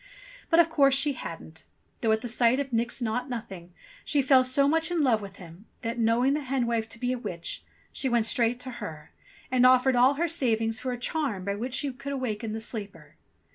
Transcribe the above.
But of course she hadn't ; though NIX NAUGHT NOTHING 191 at the sight of Nix Naught Nothing she fell so much in love with him that, knowing the hen wife to be a witch, she went straight to her, and offered all her savings for a charm by which she could awaken the sleeper.